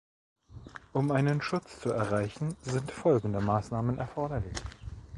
Um einen Schutz zu erreichen, sind folgende Maßnahmen erforderlich.